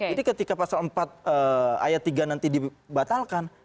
jadi ketika pasal empat ayat tiga nanti dibatalkan